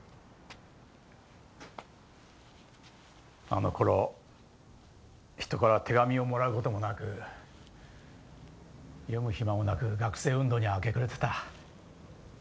あの頃人から手紙をもらう事もなく読む暇もなく学生運動に明け暮れてた。